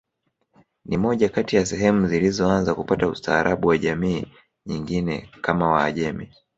Ni moja kati ya sehemu zilizoanza kupata ustaarabu wa jamii nyingine kama wahajemi